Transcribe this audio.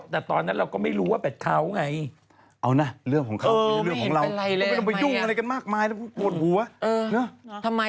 แต่ตอนนั้นเราก็ไม่รู้ว่าแบบเขาไง